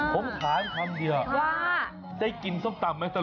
ผมถามคำเถียวค่ะได้กินพรุ่งสากหรือเปล่า